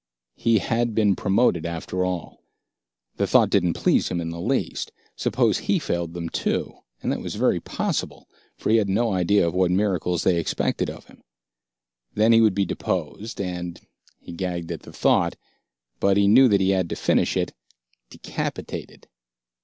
He had been promoted after all. The thought didn't please him in the least. Suppose he failed them too and that was very possible, for he had no idea of what miracles they expected of him. Then he would be deposed and he gagged at the thought, but he knew that he had to finish it decapitated.